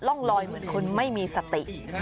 ร่องลอยเหมือนคนไม่มีสติ